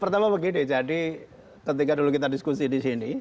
pertama begini jadi ketika dulu kita diskusi di sini